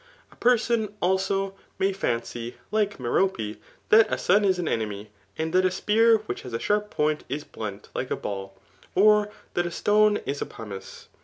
A person, also, may fancy, like Merope, that a son is an enemy, and that a speiar which has a sharp point, is blunt like a ball, or that a stone is a pumice.